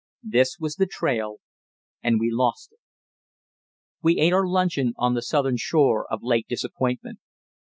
This was the trail. And we lost it. We ate our luncheon on the southern shore of Lake Disappointment.